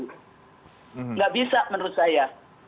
nggak bisa menurut saya